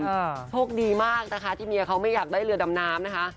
โชคดีมากนะคะที่เมียเขาไม่อยากได้เรือดำน้ำนะคะ